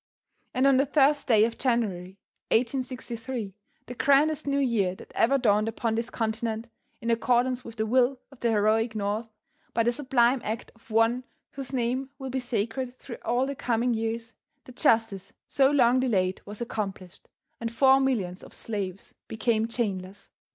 And on the 1st day of January, 1863, the grandest New Year that ever dawned upon this continent, in accordance with the will of the heroic North, by the sublime act of one whose name will be sacred through all the coming years, the justice so long delayed was accomplished, and four millions of slaves became chainless.